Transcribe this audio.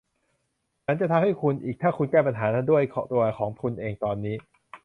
ฉันจะทำให้คุณอีกถ้าคุณแก้ปัญหาด้วยตัวของคุณเองตอนนี้